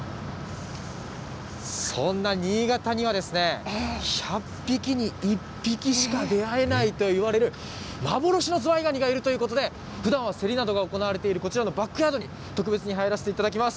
そんな新潟には、１００匹に１匹しか出会えないといわれる、幻のズワイガニがいるということで、ふだんは競りなどが行われているこちらのバックヤードに、特別に入らせていただきます。